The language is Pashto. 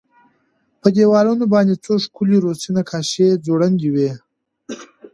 په دېوالونو باندې څو ښکلې روسي نقاشۍ ځوړندې وې